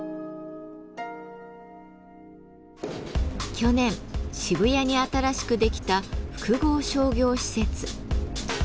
去年渋谷に新しくできた複合商業施設。